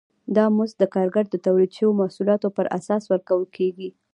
دا مزد د کارګر د تولید شویو محصولاتو پر اساس ورکول کېږي